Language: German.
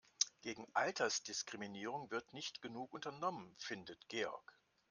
Gegen Altersdiskriminierung wird nicht genug unternommen, findet Georg.